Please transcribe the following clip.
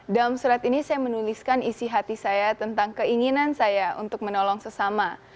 dalam surat ini saya menuliskan isi hati saya tentang keinginan saya untuk menolong sesama